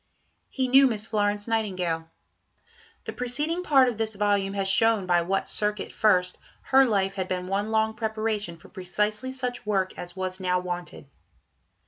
He knew Miss Florence Nightingale. The preceding Part of this volume has shown by "what circuit first" her life had been one long preparation for precisely such work as was now wanted.